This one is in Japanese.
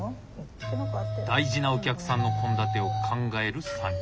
大事なお客さんの献立を考える３人。